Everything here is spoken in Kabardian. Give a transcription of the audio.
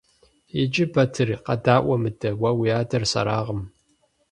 Иджы, Батыр, къэдаӀуэ мыдэ: уэ уи адэр сэракъым.